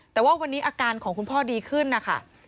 แต่ว่าวันนี้อาการของคุณพ่อดีขึ้นนะคะ